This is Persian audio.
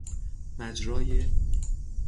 مجرای